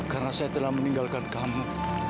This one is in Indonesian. karena saya telah meninggalkan kamu